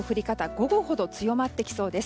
午後ほど強まってきそうです。